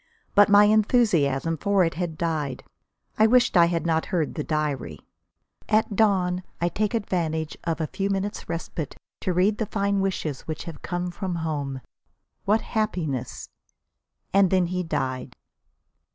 But my enthusiasm for it had died. I wished I had not heard the diary. "At dawn I take advantage of a few moments' respite to read over the kind wishes which have come from home. What happiness!" And then he died.